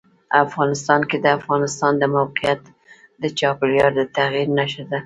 افغانستان کې د افغانستان د موقعیت د چاپېریال د تغیر نښه ده.